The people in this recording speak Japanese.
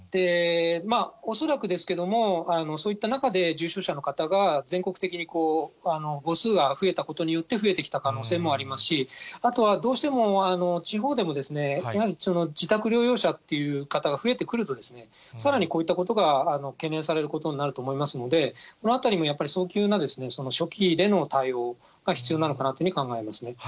恐らくですけども、そういった中で重症者の方が、全国的に母数が増えたことによって増えてきた可能性もありますし、あとはどうしても地方でも、やはり自宅療養者っていう方が増えてくると、さらにこういったことが懸念されることになると思いますので、このあたりもやっぱり、早急な初期での対応が必要なのかなというふうに考えますね。